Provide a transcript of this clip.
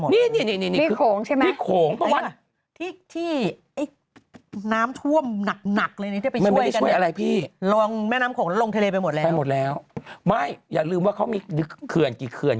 มีภายุมากมายแต่ตกใต้เขือน